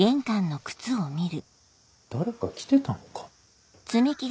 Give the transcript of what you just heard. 誰か来てたのか？